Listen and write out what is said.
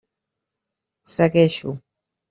Segueixo.